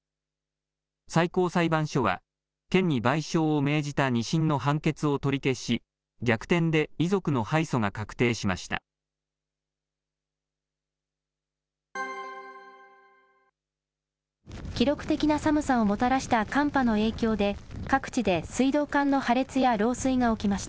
最高裁判所は、県に賠償を命じた２審の判決を取り消し、逆転で遺族の敗訴が確定しました。